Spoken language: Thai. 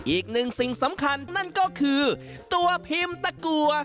อีกหนึ่งสิ่งสำคัญนั่นก็คือตัวพิมพ์ตะกัว